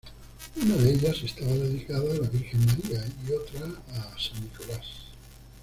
Una de ellas estaba dedicada a la Virgen María y otra a San Nicolás.